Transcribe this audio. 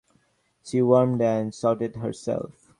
She warmed and soothed herself.